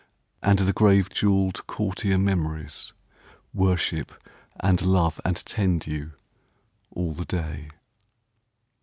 And the grave jewelled courtier Memories Worship and love and tend you, all the day.